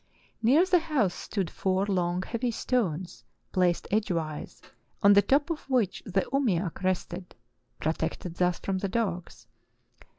"Near the house stood four long, heavy stones, placed edgewise, on the top of which the uviiak rested (protected thus from the dogs).